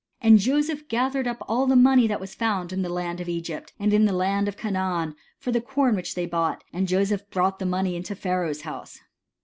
And Joseph gathered up all the money that was found in the land of Egypt, and in the land of Canaan, for the com which they bought ; and Joseph brought the money into Pharaoh's house.